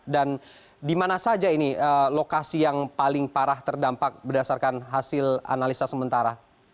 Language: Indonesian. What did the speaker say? dan dimana saja ini lokasi yang paling parah terdampak berdasarkan hasil analisa sementara